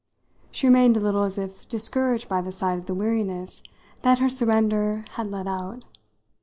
She remained a little as if discouraged by the sight of the weariness that her surrender had let out.